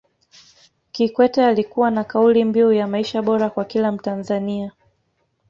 Kikwete alikuwa na kauli mbiu ya maisha bora kwa kila mtanzania